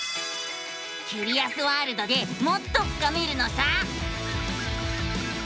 キュリアスワールドでもっと深めるのさ！